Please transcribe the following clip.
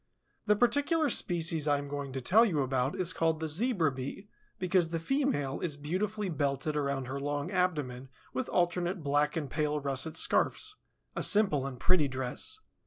The particular species I am going to tell you about is called the Zebra Bee, because the female is beautifully belted around her long abdomen with alternate black and pale russet scarfs; a simple and pretty dress.